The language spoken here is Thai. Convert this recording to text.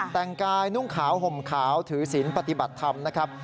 แต่งกายนุ่งขาวห่มขาวถือศีลปฏิบัติธรรมนะครับ